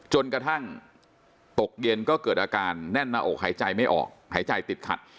จนกระทั่งตกเย็นก็เกิดอาการแน่นหน้าอกหายใจไม่ออกหายใจติดขัด